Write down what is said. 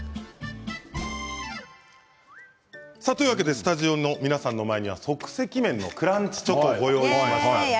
スタジオの皆さんの前には即席麺のクランチチョコご用意いたしました。